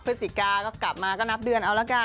พฤศจิกาก็กลับมาก็นับเดือนเอาละกัน